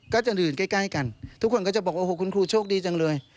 ก็จะดื่มใกล้กันทุกคนก็จะบอกโอ้โหคุณครูโชคดีจังเลย